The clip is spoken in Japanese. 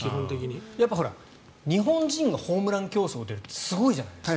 やっぱり日本人がホームラン競争に出るってすごいじゃないですか。